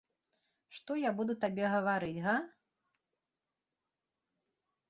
Што я буду табе гаварыць, га?